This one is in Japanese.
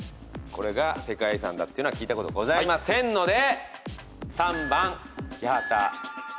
これが世界遺産だっていうのは聞いたことございませんので。